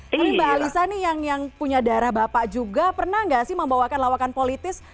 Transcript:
tapi mbak alisa nih yang punya darah bapak juga pernah nggak sih membawakan lawakan politis